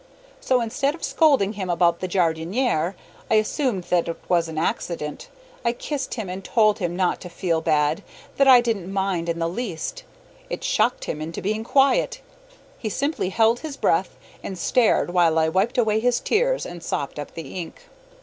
So, instead of scolding him about the jardiniere, I assumed that it was an accident. I kissed him and told him not to feel bad; that I didn't mind in the least. It shocked him into being quiet; he simply held his breath and stared while I wiped away his tears and sopped up the ink.